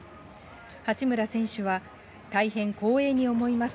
八村選手は、大変光栄に思います。